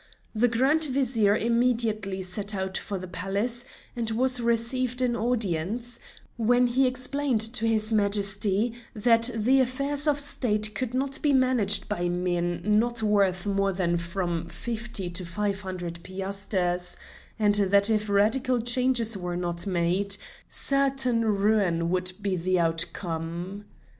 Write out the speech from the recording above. The Grand Vizier immediately set out for the Palace and was received in audience, when he explained to his Majesty that the affairs of State could not be managed by men not worth more than from fifty to five hundred piasters, and that if radical changes were not made, certain ruin would be the outcome.